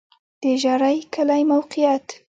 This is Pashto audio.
د ژرۍ کلی موقعیت